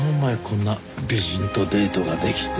こんな美人とデートができて。